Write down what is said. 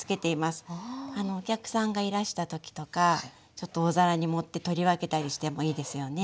お客さんがいらした時とかちょっと大皿に盛って取り分けたりしてもいいですよね。